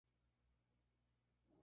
No se tienen más datos de su vida.